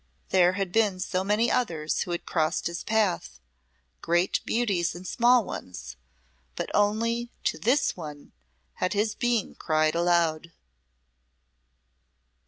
There had been so many others who had crossed his path great beauties and small ones but only to this one had his being cried out aloud.